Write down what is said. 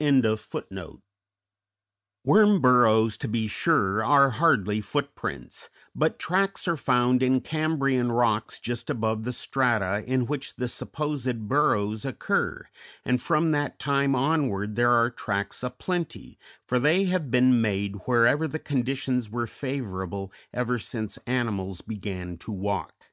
_ Worm burrows, to be sure, are hardly footprints, but tracks are found in Cambrian rocks just above the strata in which the supposed burrows occur, and from that time onward there are tracks a plenty, for they have been made, wherever the conditions were favorable, ever since animals began to walk.